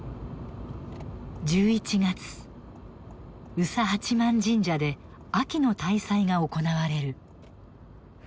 宇佐八幡神社で「秋の大祭」が行われる。